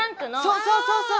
そうそうそうそう！